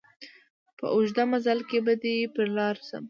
په اوږد مزله کي به دي پر لار سم